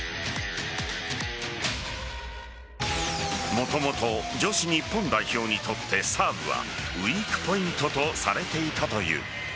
もともと女子日本代表にとってサーブはウイークポイントとされていたという。